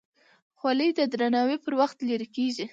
خولۍ د درناوي پر وخت لرې کېږي.